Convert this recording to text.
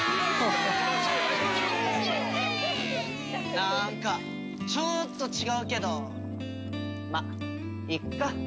なんかちょーっと違うけどまっいっか。